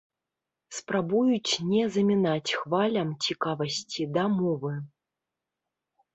Спрабуюць не замінаць хвалям цікавасці да мовы.